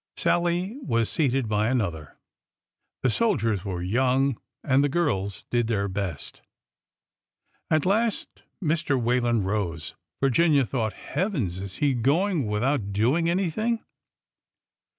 Sallie was seated by another. The soldiers were young, and the girls did their best. At last Mr. Whalen rose. Virginia thought : Hea vens ! is he going without doing anything